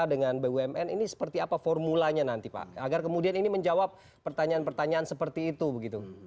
dengan bumn ini seperti apa formulanya nanti pak agar kemudian ini menjawab pertanyaan pertanyaan seperti itu begitu